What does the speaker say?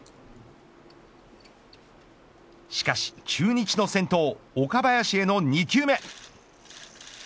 しかし中日の先頭岡林への２球目。